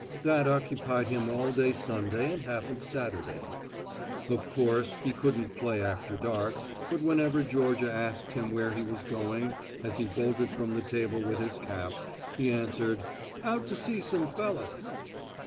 That occupied him all day Sunday and half of Saturday. Of course he couldn't play after dark, but whenever Georgia asked him where he was going as he bolted from the table with his cap, he answered, "Out to see some fellahs."